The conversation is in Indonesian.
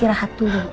isi rahat dulu